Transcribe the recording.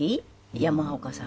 山岡さんが。